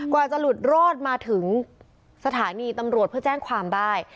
กว่าจะหลุดรอดมาถึงสถานีตำรวจเพื่อแจ้งความได้